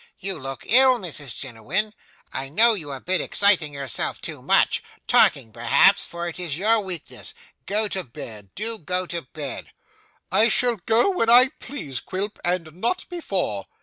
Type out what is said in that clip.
'You look ill, Mrs Jiniwin; I know you have been exciting yourself too much talking perhaps, for it is your weakness. Go to bed. Do go to bed.' 'I shall go when I please, Quilp, and not before.